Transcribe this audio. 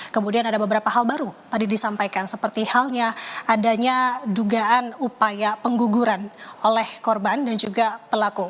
kemudian ada beberapa hal baru tadi disampaikan seperti halnya adanya dugaan upaya pengguguran oleh korban dan juga pelaku